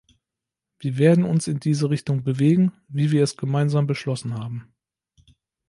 Wir werden uns in diese Richtung bewegen, wie wir es gemeinsam beschlossen haben.